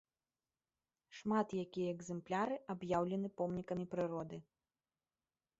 Шмат якія экзэмпляры аб'яўлены помнікамі прыроды.